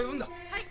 はい。